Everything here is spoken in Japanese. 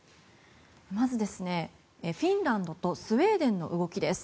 まず、フィンランドとスウェーデンの動きです。